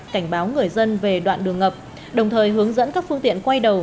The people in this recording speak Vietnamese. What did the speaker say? cảnh báo người dân về đoạn đường ngập đồng thời hướng dẫn các phương tiện quay đầu